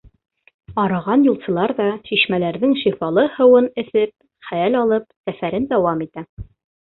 Арыған юлсылар ҙа шишмәләрҙең шифалы һыуын эсеп, хәл алып, сәфәрен дауам итә.